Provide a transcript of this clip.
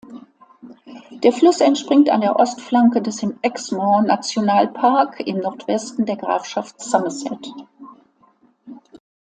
Der Fluss entspringt an der Ostflanke des im Exmoor-Nationalpark im Nordwesten der Grafschaft Somerset.